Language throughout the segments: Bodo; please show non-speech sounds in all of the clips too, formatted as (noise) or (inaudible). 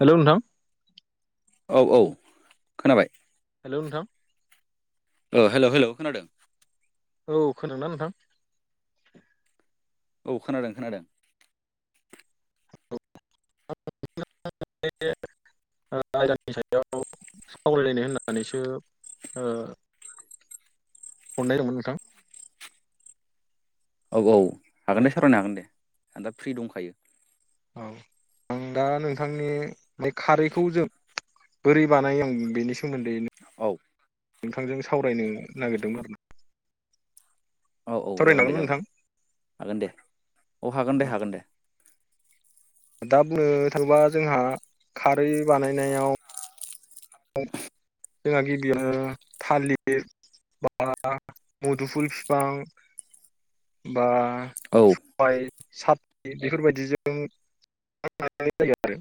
हेलौ नोंथां। औ- औ खोनाबाय। हेलौ नोंथां। अ हेलौ हेलौ खोनादों? औ खोनादोंना नोंथां? औ खोनादों खोनादों। (inaudible) हरनाय दोंमोन नोंथां औ औ। हागोन दे सावरायनो हागोन दे। आं दा फ्रि दंखायो। औ आं दा नोंथांनि बे खारैखौ जों बोरै बानायो आं बेनि सो सोमोनदै औ नोंथांजों सावरायनो नागिरदोंमोन। औ औ सावरायनो जागोन दे हागोन ना जागोन दे नोंथां? हागोन दे औ हागोन दे हागोन दे। दा बुंनो थाङोबा जोंहा खारै बानायनायाव जोंहा गिबियाव थालिर बा मुदुफुल बिफां बा औ। साथ बेफोरबायदिजों बानायनाय आरो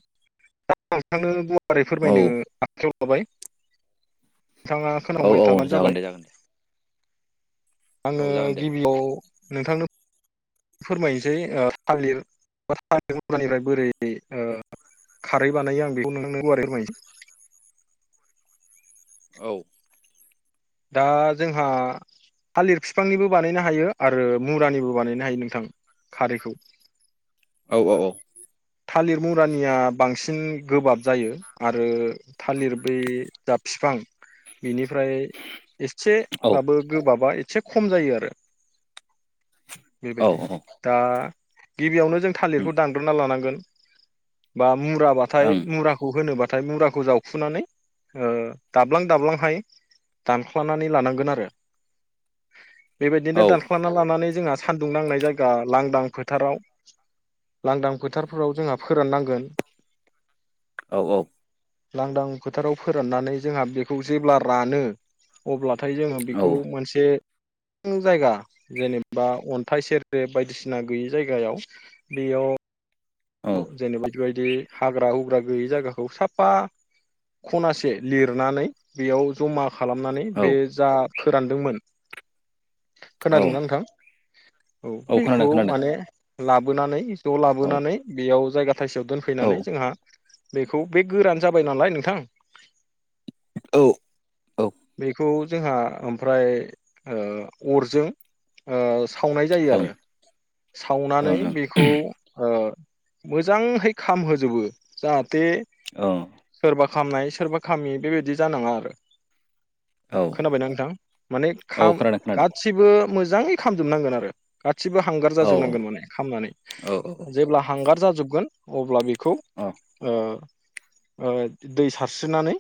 दा नोंथांनो बबे बारै औ फोरमायनो आखायाव लाबाय नोंथाङा औ खोनाबाय औ थाब्लानो जागोन जाबाय। दे जागोन दे आङो औ जागोन दे गिबियाव नोंथांनो फोरमायनोसै थालिर बा थालिर फस्लानिफ्राय बोरै ओ खारै बानायो आं बेखौनो नोंनो गुवारै फोरमायसै औ। दा जोंहा थालिर बिफांनिबो बानायनो हायो आरो मुरानिबो बानायनो हायो नोंथां खारैखौ। औ औ औ। थालिर मुरानिया बांसिन गोबाब जायो आरो थालिर बै जा बिफां बिनिफ्राय इसे औ बाबो गोबाब -बाबा इसे खम जायो आरो। औ बेबायदि औ दा गिबियावनो जों थालिरखौ दानग्रोना लानांगोन (inaudible) बा मुराबाथाय उम मुराखौ होनोबा थाय मुराखौ जावखुनानै ओ दाब्लां दाब्लांहाय दानख्लानानै लानांगोन आरो बेबायदिनो ओं दानख्लाना लानानै जोंहा सानदुं नांनाय जायगा लांदां फोथाराव लांदां फोथारफोराव जोंहा फोराननांगोन औ औ लांदां फोथाराव फोराननानै जोंहा बेखौ जेब्ला रानो अब्ला थाय जोङो औ बेखौ मोनसे (unintelligible) जायगा जेनेबा अन्थाइ सेरेब बायदिसिना गैयि जायगायाव बेयाव जेनेबा बेबायदि हाग्रा हुग्रा गैयै जायगाखौ साफा खनासे लिरनानै बेयाव जमा खालामनानै औ बे जा फोरानदोंमोन औ खोनादोंना नोंथां? औ खोनादों बेखौ खोनादों माने लाबोनानै द' औ लाबोनानै बेयाव जायगा थायसेयाव औ दोनफैनानै जोंहा बेखौ बे गोरान जाबाय नालाय नोंथां ओं (inaudible) बेखौ जोंहा ओमफ्राय ओ अरजों ओ सावनाय जायो आरो ओं सावनानै बेखौ ओ मोजांहै खामहोजोबो जा थे ओं (inaudible) सोरबा खामनाय सोरबा खामि बेबायदि जानाङा आरो औ (inaudible) खोनाबायना नोंथां माने औ खाम खोनादों खोनादों गासिबो मोजाङै खालामजोबनांगोन आरो गा सिबो हांगार औ जाजोबनांगोन माने खामनानै औ जेब्ला हांगार जाजोबगोन अब्ला बे खौ औ ओ ओ दै सारस्रिनानै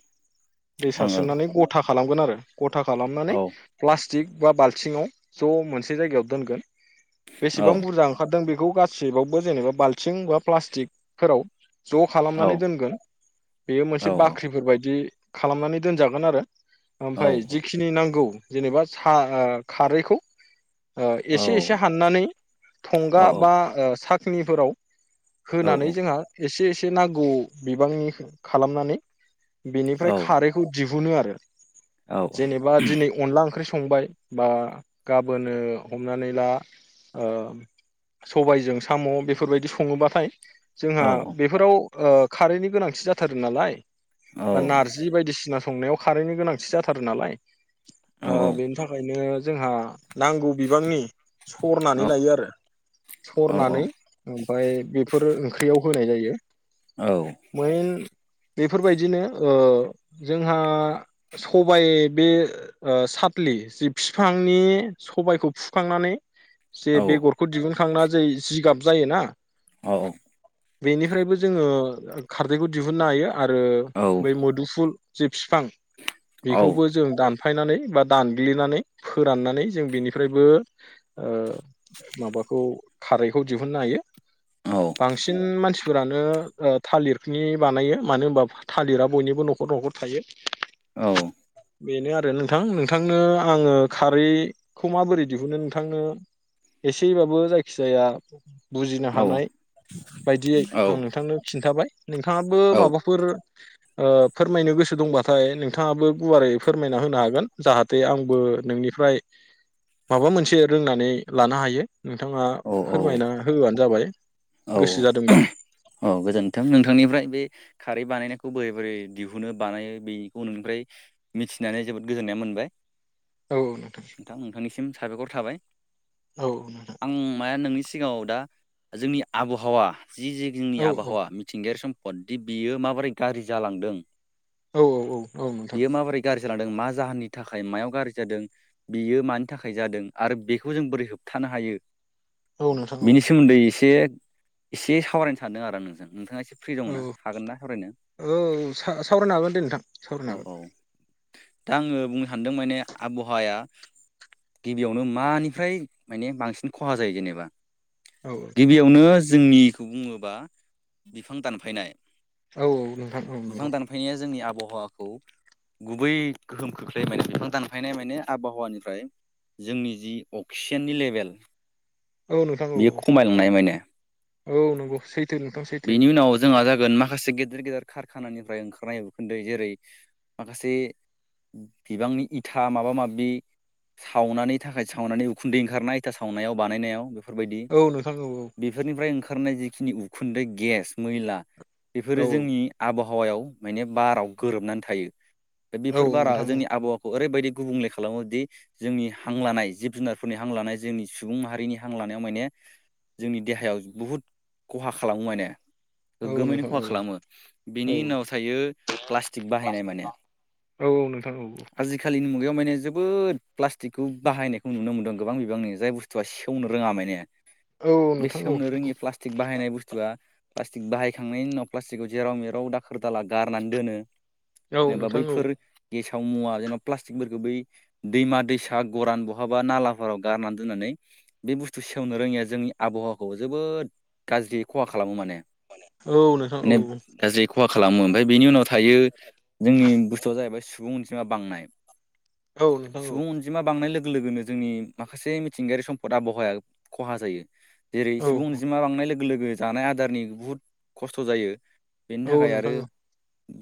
दै ओं ओं सारसोननानै गथा खालामगोन आरो गथा खालामनानै औ प्लास थिक बा बालथिङाव ज' मोनसे जायगायाव दोनगोन औ बेसेबां बुरजा ओंखारदों बे गौ गासैबावबो जेनेबा बाल- थिं बा प्लास्टिकफोराव ज' खालामनानै दोनगोन बेयो मोनसे बाख्रिफोरबायदि खालामनानै दोनजागोन आरो ओमफाय जेखिनि नांगौ जेनेबा सा आ खारैखौ एसे एसे हाननानै थंगा बा सा फुनिफोराव होनानै जोंहा एसे एसे ए नांगौ बिबांनि खालामनानै बेनिफ्राय खारैखौ दि बुनो आरो जेनेबा दिनै अनला ओंख्रि स हंबाय बा गाबोनो हमनानै ला ओ सबायजों साम' बेफोरबायदि स सङोबाथाय जोंहा बेफोराव खारेन्टनि गोनांथि जाथारो नालाय बा नारजि बायदिसिना संनायाव खारैनि गोनांथि जाथारो नालाय ओ बेनि थाखायनो जोंहा नांगौ बिबांनि सरनानै लायो आरो सरनानै ओमफाय बेफोर ओंख्रियाव होनाय जायो मैन बेफोरबायदिनो ओ जोंहा सबायाइ बे सााथलि जि बिफांनि सबायखौ फुखांनानै जे बेगरखौ दिहुन खांना जे जिगाब जायो ना औ औ बेनिफ्रायबो जोङो खारदैखौ दिहुननो हायो आरो बै मोदुफुल जे बिफां बेखौबो जों दान फायनानै बा दानग्लिनानै फोराननानै जों बिनिफ्रायबो ओ माबाखौ खारैखौ दिहुननो हायो। बांसिन मानसि फोरानो ओ थालिरनि बानायो मानो होनबा थालिरा बयनिबो न'खर न'खर थायो। औ बेनो आरो नोंथां नोंथांनो आङो खारैखौ माबोरै दिहुनो नोंथांनो एसेबाबो जायखिजाया औ हानाय बायदियै आं नोंथांनो खिन्थाबाय। नोंथाङाबो माबाफोर अ फोरमायनो गोसो दंबाथाय नोंथाङाबो गुवारै फोरमायना होनो हागोन जाहाथे आंबो नोंनिफ्राय माबा मोनसे रोंनानै लानो हायो। नोंथाङा फोरमायना होबानो जाबाय। औ गोसो जादोंबा औ गोजोनथों नोंथांनिफ्राय बे खारै बानायनाय। नायखौ बोरै बोरै दिहुनो बानायो बेनिखौ नोंनिफ्राय मिथिनानै जोबोद गोजोननाय मोनबाय। औ नोंथां नोंथांनिसिम साबायखर थाबाय। औ औ नोंथां माया नोंनि सिगाङाव दा जोंनि आबहावा जि जि जोंनि औ औ आबहावा मिथिंगायारि सम। हदि बियो माबोरै गाज्रि जालांदों। औ औ औ नोंथां बियो माबोरै गारजि जालांदों मा जाहोननि थाखाय मायाव गारजि जादों बियो मानि थाखाय जादों आरो बेखौ जों बोरै होबथानो हायो। औ नोंथां औ बिनि सोमोनदै एसे (unintelligible) एसे सावरायनो सानदों आरो नोंजों नोंथाङा एसे फ्रि दङ औ ना हागोन ना सावरायनो औ साव-सावरायनो हागोन दे नोंथां सावरायनो औ हागोन। औ दा आङो बुंनो सानदों माने आबहावाया गिबियावनो मानिफ्राय माने बांसिन खहा जायो जेनेबा हागोन गिबियावनो जोंनिखौ बुंङोबा बिफां दानफायनाय। औ नोंथां औ बिफां नंगौ। दानफायनाया जोंनि आबहावाखौ गुबौ गोहोम खोख्लै माने बिफां दानफायनाय माने आबहावानिफ्राय जोंनि जि अकसिजेननि लेबेल औ नोंथां औ बियो खमायलांनाय माने औ नंगौ सै बिनि उनाव जोंहा जा होगोन माखासे गेदेर गेदेर खारखानानिफ्राय ओंखारनाय उखुनदै जेरै माखासे बिबांनि इथा माबा माबि सावनानै थाखाय सावनानै उखुनदै ओंखारनाय इथा सावनायाव बानायनायाव फोरबायदि औ नोंथां औ बेफोरनिफ्राय ओंखारनाय जि फुंनि उ खुन्दै गेस मैला। बेफोरो औ जोंनि आबहा हावायाव माने बाराव गोरोबनानै थायो दा औ बेफोर बारा नोंथां औ जोंनि आबहावाखौ ओरैबायदि गुबुंले खालामो दि जोंनि हां लानाय जिब जुनारफोरनि हां लानाय जोंनि सुबुं माहारिनि हां लानायाव माने जोंनि देहायाव बुहुद खहा खालामो माने औ गोगोमैनो नोंथां खहा औ खालामो औ बिनि उनाव थायो प्लास्टिक बाहायनाय माने औ नोंथां औ आजिखालिनि बेयाव माने जोबोद प्लास्टिकखौ बाहायनायखौ नुनो मोनदों गोबां बिबांनि जाय बुस्थुआ सेवनो रोङा माने औ बे नोंथां औ सेवनो रोङि प्लास्टिक बाहायनाय बुस्थुआ प्लास्टिक बाहायखांनायनि उनाव प्लास्टिकखौ जेराव मेराव दाखोर दाला गारनानै दोनो औ जेनेबा नोंथां औ बैफोर गेस मुवा जेनेबा प्लास्टिकफोरखौ बै दैमा दैसा गरान बहाबा नालाफोराव गारनानै दोननानै बे बुस्थु सेवनो रोङिया जोंनि आबहावाखौ जोबोद गाज्रि खहा खालामो माने औ नोंथां औ माने गाज्रि खहा खालामो ओमफ्राय बेनि उनाव थायो जोंनि बुस्थुआ जाहैबाय सुबुं अनजिमा बांनाय औ नोंथां औ नोंथां औ सुबुं अनजिमा बांनाय लोगो लोगोनो जोंनि माखासे मिथिंगायारि सम्पदा आबहावाया खहा जायो जेरै औ सुबुं अनजिमा बांनाय लोगो लोगो जानाय आदारनि बुहुत खस्थ' जायो बेनि औ थाखाय आरो नोंथां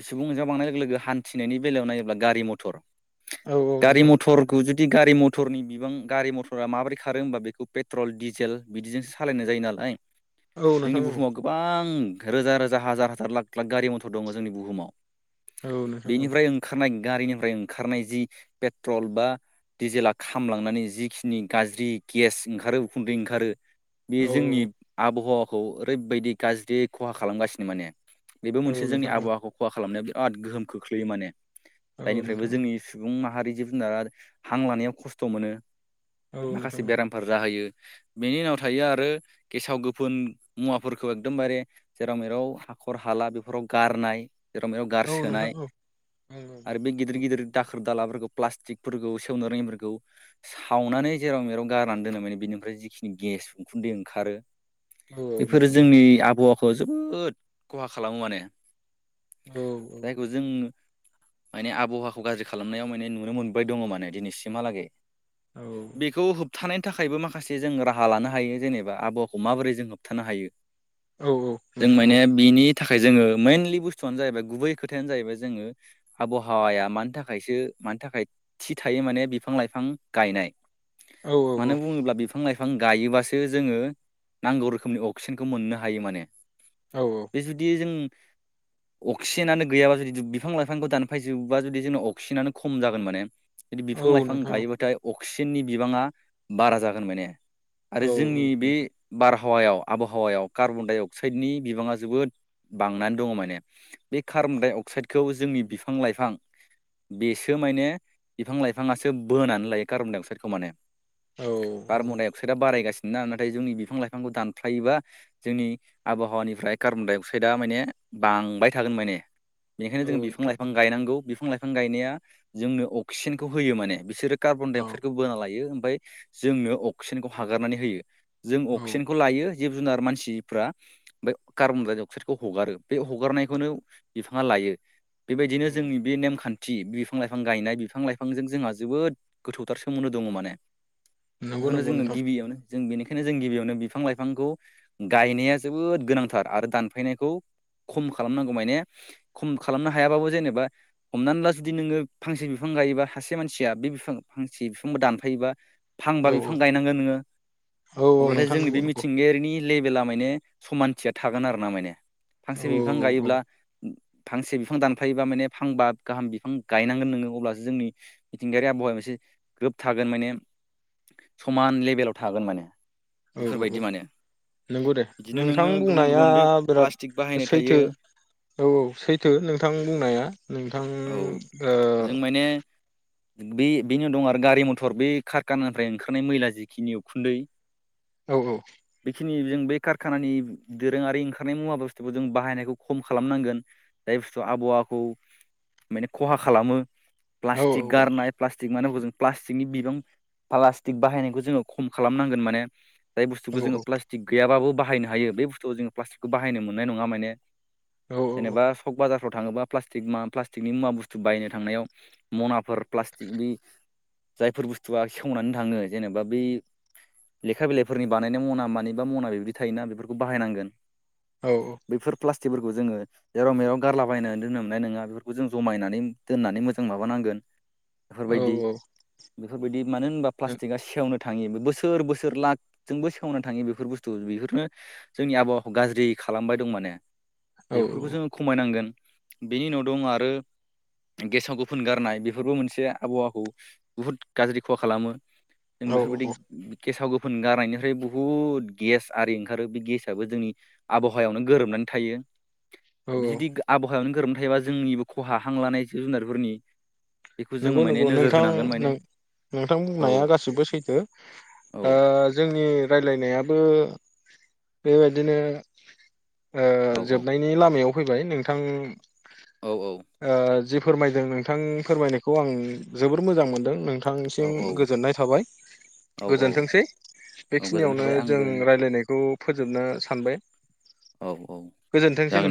सुबुं नजिमा बांनाय लोगो लोगो हान्थिनायनि बेलायाव नायोब्ला गारि मटर औ गारि नोंथां मथरखौ जु दि गारि मथरनि बिबां गारि मथरा माबोरै खारो होमबा बेखौ पेट्रल डिजेल बिदिजोंसो सालायनाय जायो नालाय औ जोंनि नोंथां औ बुहुमाव गोबां रोजा रोजा हाजार हाजार लाख लाख गारि मथर दङ जोंनि बुहुमाव औ बेनिफ्राय ओंखारनाय गारिनिफ्राय ओंखारनाय जि पेट्रल बा डिजेला खामलांनानै जिखिनि गाज्रि गेस ओंखारो उखुन्दै ओंखारो बे जोंनि बहावाखौ ओरैबायदि गाज्रि खहा खालामगासिनो माने बेबो मोनसे जोंनि नोंथां औ नोंथां औ आबहावाखौ खहा खालामनाय आद गोहोम खोख्लैयो माने जायनिफ्रायबो नोंथां औ नोंथां जोंनि सुबुं मा हारि जिब जुनारा हां लानायाव खस्थ' मोनो। माखासे बेरामफोर जाहोयो बेनि उनाव थायो आरो गेसाव गो फोन मुवाफोरखौ एकदमबारे जेराव मेराव हाखर हाला बेफोराव गारनाय जेराव मेराव गारसोनाय औ आरो बे गिदिर गिदिर दाख दालाफोरखौ प्लास्टिकफोरखौ सेवनो रोङिफोरखौ सावनानै जेराव मेराव गारनानै दोनो माने बेनिफ्राय जिखिनि गेस उखुन्दै ओंखारो औ औ बेफोरो नोंथां जोंनि आब खौ जोबोद खहा खालामो माने औ औ जायखौ जों माने आबहावाखौ गाज्रि खालामनायाव माने नुनो मोनबाय दङ' माने दिनैसिमहालागै औ बेखौ होब थानायनि थाखायबो माखासे जों राहा लानो हायो जेनेबा आबहा खौ माबोरै जों होबथानो हायो औ औ जों नोंथां माने औ बिनि थाखाय जोङो मेनलि बुस्थुआनो जाहैबाय गुबै खोथायानो जाहैबाय जोङो आबहावाया मानि थाखायसो मानि थाखाय थि थायो माने बिफां लाइफां गायनाय औ मानो बुङोब्ला बिफां लाइफ फां गायोबासो जोङो नांगौ रोखोमनि अक्सिजेनखौ मोननो हायो माने औ बे जुदि जों अक्सिजेनानो गैयाबा जुदि बिफां लाइफांखौ दानफाय जोबोबा जुदि जोंना अक्सिजेनानो खम जागोन माने बिदि औ बिफां लाइफां नोंथां गायोबाथाय अक सिजेननि बिबाङा बारा जागोन माने औ आरो जोंनि बे बारहावायाव आबहावायाव कार्बन डाइ अक्साइडनि बिबाङा जोबोद बांनानै दङ' माने बे कार्बन डाइ अक्साइदखौ जोंनि बिफां लाइफां बेसो माने बिफां लाइफाङासो बोनानै लायो कार्बन डाइ अक्साइडखौ माने औ कार्बन दाइ अक्साइदा बारायगासिनो ना नाथाय जोंनि बिफां लाइफांखौ दानफ्लायोबा जोंनि आबहावानिफ्राय कार्बन डाइ अक्साइदा माने बांबाय थागोन माने बेनिखायनो औ जों बिफां नोंथां लाइफां गायनांगौ बिफां लाइफां गायनाया जोंनो अक्सिजेनखौ होयो माने बिसोरो कार्बन औ डाइ अक्साइखौ बोना लायो ओमफाय जोंनो अक्सिजेनखौ हागारनानै होयो औ अक्सिजेनखौ लायो जिब जुनार मानसिफ्रा बे कार्बन डाइ अक्साइदखौ हगारो बे हगारनायखौनो बिफाङा लायो बेबायदिनो औ जोंनि बे नेमखान्थि थि बिफां लाइफां गायनाय बिफां लाइफांजों जोंहा जोबोद गोथौथार सोमोन्दो दङ' माने नंगौ बेखौनो नंगौ जोङो नोंथां गिबियावनो जों बेनिखायनो जों गिबियावनो बिफां लाइफांखौ गायनाया जोबोद गोनांथार आरो दानफायनायखौ खम खालामनांगौ माने खम खालामनो हायाबाबो जेनेबा हमनानै ला जुदि नोङो फांसे बिफां गायोबा सासे मानसिया बे बिफां फांसे बिफांखौ दानफायोबा औ फांबा बिफां गायनांगोन नोङो औ औ अब्लाथाय नोंथां जोंनि बे नंगौ नंगौ मिथिंगायारिनि लेभेला माने समानथिया थागोन आरो ना माने औ फांसे बिफां औ गायोब्ला फांसे बिफां दानफायोबा माने फांबा गाहाम बिफां गायनांगोन नोङो अब्लासो जोंनि मिथिंगायारि आबहावाय मोनसे ग्रोब थागोन माने समान लेभेलाव थागोन माने। औ औ औ बेफोरबायदि माने नोंगौ दे बिदिनो नोंथां नोङो गुबुन बुंनाया गुबुन बे बिराद प्लास्टिक बाहायनाय सैथो थायो औ सैथो नोंथां बुंनाया नोंथां औ ओ जों माने बे बेनो दं आरो गारि मथर बे कारखानानिफ्राय ओंखारनाय मैला जिखिनि उखुन्दै ओ औ खिनि जों बै कारखानानि दोरोङारि ओंखारनाय मुवा बुस्थुखौ जों बाहायनायखौ खम खालामनांगोन जाय बुस्थु आबहावाखौ माने खहा खालामो औ प्लास्टिक औ गारनाय प्लास्टिक माने हजों प्लास्टिकनि बिबां प्लास्टिक बाहायनायखौ जोङो खम खालामनांगोन माने (inaudible) जाय औ बुथुखौ जोङो प्लास्टिक गैयाबाबो बाहायनो हायो बे बुस्थुखौ जोङो प्लास्टिकखौ बाहायनो मोननाय नङा माने औ जेनेबा सक बाजार माव थाङोबा पस्टिकनि मुवा बुस्थु बायनो थांनायाव मनाफोर प्लास्टिक बे जायफोर बुस्थुआ सेवनानै थाङो जेनेबा बै लेखा बिलाइफोरनि बानायनाया मना मानि बा मना बेबदि थायोना बेफोरखौ बाहायनांगोन औ बैफोर प्लाटि मथिफोरखौ जोङो जेराव मेराव गारलाबायनानै दोननो मोननाय नङा बेफोरखौ जों जमायनानै दोननानै मोजां माबानांगोन बेफोरबायदि बेफोरबायदि मानो होनबा प्लास्टिकआ सेवनो थाङो बोसोर बोसोर सोर लाखजोंबो सेवनानै थाङो बेफोर बुस्थु बेफोरनो जोंनि आबहावाखौ गाज्रि खालामबाय दं माने औ बेफोरखौ जोङो खमायनांगोन बेनि उनाव दं आरो गेसाव गोफोन गारनाय बेफोरबो मोनसे आबहावाखौ बुहुद गाज्रि खहा खालामो जों बेफोरबायदि गेसाव गोफोन गारनायनिफ्राय बुहुद गेस आरि ओंखारो बे गेसआबो जोंनि आबहावायावनो गोरोबनानै थायो औ बे औ जुदि आबहावायावनो गोरोब नाथायबा जोंनिबो खहा हां लानाय जिब जुनारफोरनि बेखौ जोङो नंगौ माने नंगौ नोजोर नोंथां होनांगोन माने नोंथां औ बुंनाया गासिबो सैथो औ ओ जोंयो (unintelligible) नायाबो बेबायदिनो ओ औ औ जोबनायनि लामायाव फैबाय नोंथां औ आ जि फोरमायदों नोंथां फोरमायनाय औ आं जोबोर मोजां मोनदों नोंथां औ नोंथांनिसिम औ गोजोननाय थाबाय औ औ गोजोनथोंसै गोजोननाय बेखिनियावनो थाबाय जों आंबो नोंथां रायलायनायखौ फोजोबनो सानबाय औ औ गोजोनथोंसै जागोन